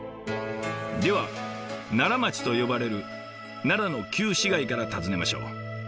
では「奈良町」と呼ばれる奈良の旧市街から訪ねましょう。